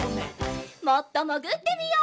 もっともぐってみよう。